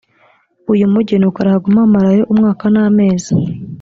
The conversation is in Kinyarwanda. uyu mugi nuko arahaguma amarayo umwaka n amezi